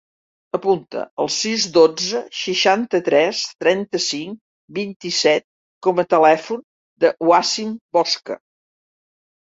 Apunta el sis, dotze, seixanta-tres, trenta-cinc, vint-i-set com a telèfon del Wassim Bosca.